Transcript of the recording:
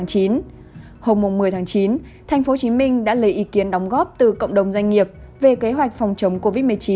hôm một mươi tháng chín tp hcm đã lấy ý kiến đóng góp từ cộng đồng doanh nghiệp về kế hoạch phòng chống covid một mươi chín